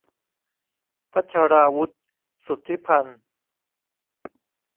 วัชราวุธ สุทธิพันธ์